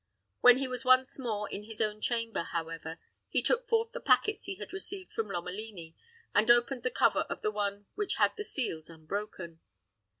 When he was once more in his own chamber, however, he took forth the packets he had received from Lomelini, and opened the cover of the one which had the seals unbroken.